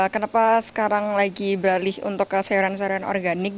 kenapa sekarang lagi beralih untuk sayuran sayuran organik